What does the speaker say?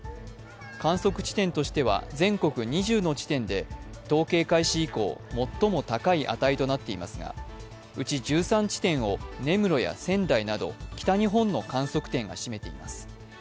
観測地点としては全国２０の地点で統計開始以降、最も高い値となっていますがうち１３地点を根室や仙台など北日本の観測点が占めています。